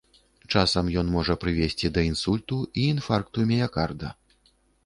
Часам ён можа прывесці да інсульту і інфаркту міякарда.